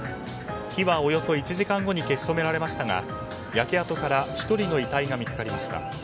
火はおよそ１時間後に消し止められましたが焼け跡から１人の遺体が見つかりました。